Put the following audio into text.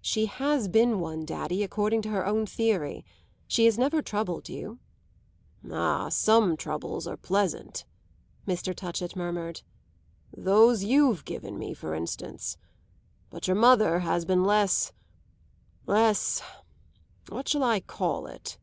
"She has been one, daddy, according to her own theory. She has never troubled you." "Ah, some troubles are pleasant," Mr. Touchett murmured. "Those you've given me for instance. But your mother has been less less what shall I call it?